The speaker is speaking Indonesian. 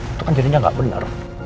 itu kan jadinya gak bener